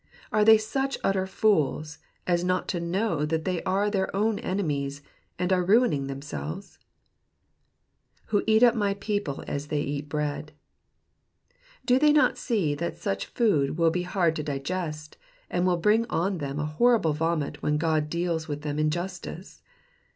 Are they such utter fools as not to know that they are their own enemies, and are ruining themselves ?Who eat up my people as they eat bread.'*^ Do they not see that such food will be hard to digest, and will bring on them a horrible vomit when Godjdeals with them in justice